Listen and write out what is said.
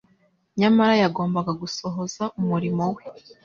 nyamara, yagombaga gusohoza umurimo we;